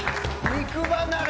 肉離れ。